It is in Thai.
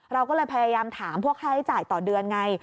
เราก็เลยพยายามถามพวกค่าใช้จ่ายต่อเดือนไง